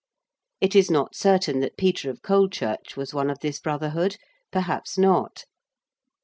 It is not certain that Peter of Colechurch was one of this Brotherhood, perhaps not.